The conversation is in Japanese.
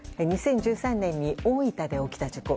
２０１３年に大分で起きた事故。